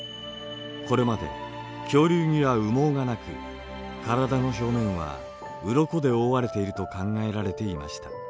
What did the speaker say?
これまで恐竜には羽毛がなく体の表面はうろこで覆われていると考えられていました。